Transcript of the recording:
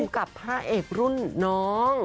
กับพระเอกรุ่นน้อง